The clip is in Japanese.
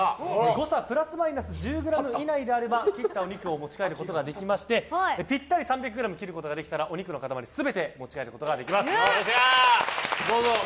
誤差プラスマイナス１０ｇ以内であれば切ったお肉をそのまま持ち帰ることができまして見事３００ｇピッタリに切ることができればお肉の塊全てお持ち帰りいただくことができます。